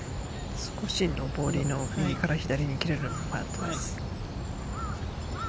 少し上りの右から左に切れるパットです。